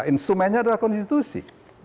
instrumennya adalah konstitusi